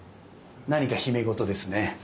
何か秘め事ですね。